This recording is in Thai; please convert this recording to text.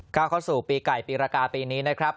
เข้าสู่ปีไก่ปีรากาปีนี้นะครับ